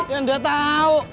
ya ndak tahu